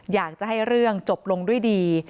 อยากจะให้เรื่องจบลงด้วยดี